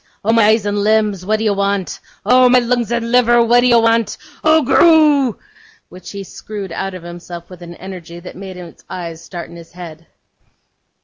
Oh, my eyes and limbs, what do you want? Oh, my lungs and liver, what do you want? Oh, goroo!' which he screwed out of himself, with an energy that made his eyes start in his head.